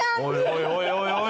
◆おいおい、おいおい。